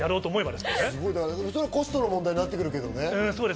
コストの問題になってくるけどね。